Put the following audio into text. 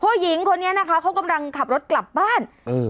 ผู้หญิงคนนี้นะคะเขากำลังขับรถกลับบ้านเออ